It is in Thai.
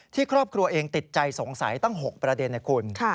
ครอบครัวเองติดใจสงสัยตั้ง๖ประเด็นนะคุณ